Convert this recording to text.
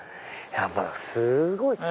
すごい！